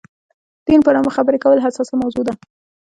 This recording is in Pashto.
دین په نامه خبرې کول حساسه موضوع ده.